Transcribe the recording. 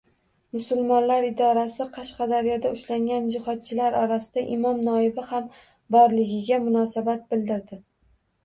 Musulmonlar idorasi Qashqadaryoda ushlangan Jihodchilar orasida imom noibi ham borligiga munosabat bildirdi